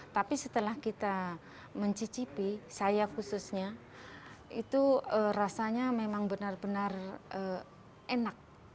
tapi setelah kita mencicipi saya khususnya itu rasanya memang benar benar enak